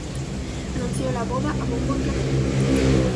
Anunció la boda a bombo y platillo